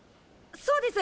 そうです！